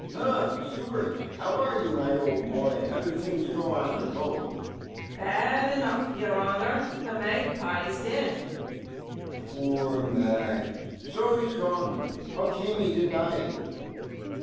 Ha! Steward, how are you, my old boy? How do things go on at home? STEWARD. Bad enough, your honour; the magpie's dead! MR. G. Poor mag! so he's gone. How came he to die?